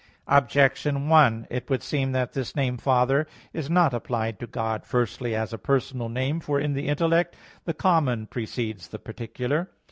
Objection 1: It would seem that this name "Father" is not applied to God, firstly as a personal name. For in the intellect the common precedes the particular.